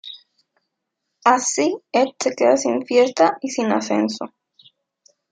Así, Ed se queda sin fiesta y sin ascenso.